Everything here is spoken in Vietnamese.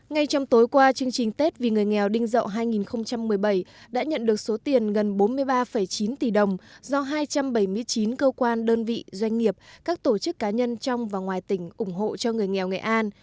ngay trong tối qua chương trình tết vì người nghèo đinh dậu hai nghìn một mươi bảy đã nhận được số tiền gần bốn mươi ba chín tỷ đồng do hai trăm bảy mươi chín cơ quan đơn vị doanh nghiệp các tổ chức cá nhân trong và ngoài tỉnh ủng hộ cho người nghèo nghệ an